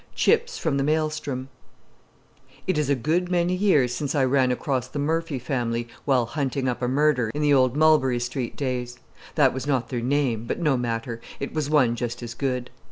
CHIPS FROM THE MAELSTROM It is a good many years since I ran across the Murphy family while hunting up a murder, in the old Mulberry Street days. That was not their name, but no matter; it was one just as good.